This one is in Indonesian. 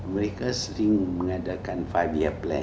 mereka sering mengadakan five year plan